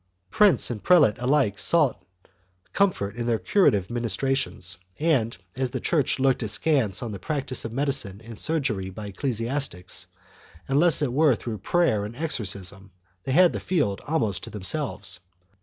2 Prince and prelate alike sought comfort in their curative ministrations, and, as the Church looked askance on the practice of medicine and surgery by ecclesiastics, unless it were through prayer and exorcism, they had the field almost to themselves.